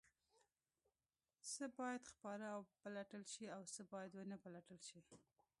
څه باید خپاره او وپلټل شي او څه باید ونه پلټل شي؟